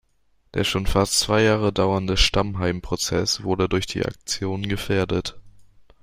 Der schon fast zwei Jahre dauernde Stammheim-Prozess wurde durch die Aktion gefährdet.